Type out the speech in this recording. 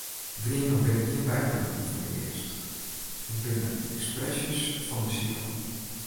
Dreamen binne gjin byprodukten fan de geast, it binne ekspresjes fan de siel.